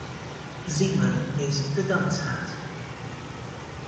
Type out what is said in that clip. Zeeman, is the "dunce hat".